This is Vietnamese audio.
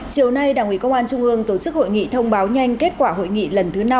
chiều nay đảng ủy công an trung ương tổ chức hội nghị thông báo nhanh kết quả hội nghị lần thứ năm